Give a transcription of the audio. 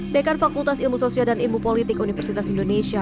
dekar fakultas ilmu sosial dan ilmu politik universitas indonesia